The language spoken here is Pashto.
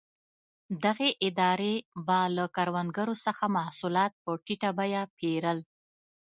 دغې ادارې به له کروندګرو څخه محصولات په ټیټه بیه پېرل.